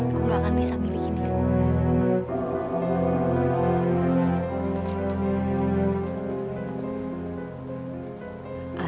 kamu gak akan bisa miliki dia